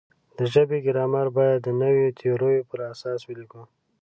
د ژبې ګرامر باید د نویو تیوریو پر اساس ولیکو.